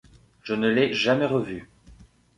Je ne l’ai jamais revu.